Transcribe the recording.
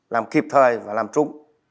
làm kịp thời và làm trúng